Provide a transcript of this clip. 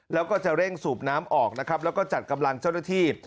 แล้วก็จะเร่งสูบน้ำออกนะครับแล้วก็จัดกำลังเจ้าหน้าที่